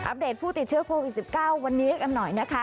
เดตผู้ติดเชื้อโควิด๑๙วันนี้กันหน่อยนะคะ